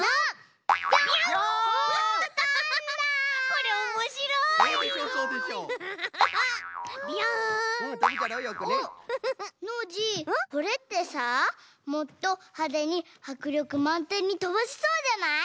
これってさもっとはでにはくりょくまんてんにとばせそうじゃない？